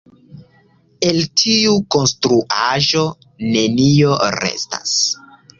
El tiu konstruaĵo, nenio restas.